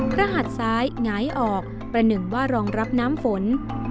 หัดซ้ายหงายออกประหนึ่งว่ารองรับน้ำฝน